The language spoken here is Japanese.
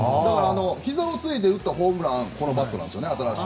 ひざをついて打ったホームランこのバットなんですよね。